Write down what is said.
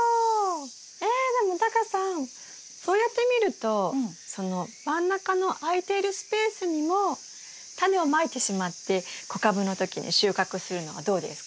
えでもタカさんそうやって見るとその真ん中の空いているスペースにもタネをまいてしまって小株の時に収穫するのはどうですか？